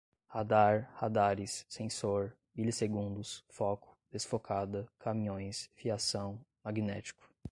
radar, radares, sensor, milisegundos, foco, desfocada, caminhões, fiação, magnético